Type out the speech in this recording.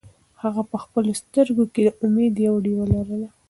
هغه په خپلو سترګو کې د امید یوه ډېوه لرله.